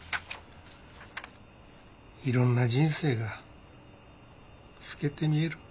いろんな人生が透けて見える。